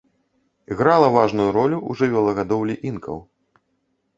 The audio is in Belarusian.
Грала важную ролю ў жывёлагадоўлі інкаў.